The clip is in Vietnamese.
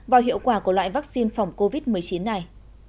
vào hiệu quả của loại vaccine phòng covid một mươi chín này